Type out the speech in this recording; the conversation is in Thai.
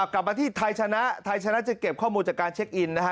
กลับมาที่ไทยชนะไทยชนะจะเก็บข้อมูลจากการเช็คอินนะฮะ